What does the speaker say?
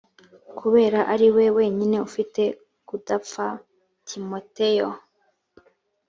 kubera ko ari we wenyine ufite kudapfa timoteyo